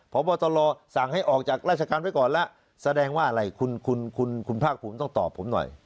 พบตรสั่งให้ออกจากราชการไว้ก่อนแล้วแสดงว่าอะไรคุณคุณภาคภูมิต้องตอบผมหน่อย